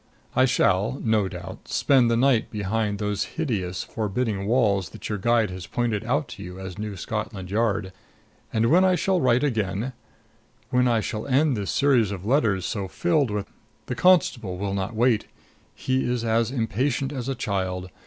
I shall, no doubt, spend the night behind those hideous, forbidding walls that your guide has pointed out to you as New Scotland Yard. And when I shall write again, when I shall end this series of letters so filled with The constable will not wait. He is as impatient as a child.